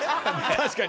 確かに。